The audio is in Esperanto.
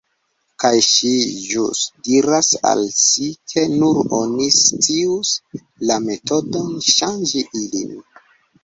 Kaj ŝi ĵus diras al si "se nur oni scius la metodon ŝanĝi ilin…"